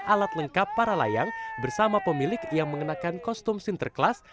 alat lengkap para layang bersama pemilik yang mengenakan kostum sinterklas